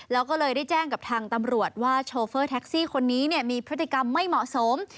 แล้วก็เลยได้แจ้งกับทางตำรวจว่าโชเฟอร์แท็กซี่คนนี้มีพฤติกรรมไม่เหมาะสม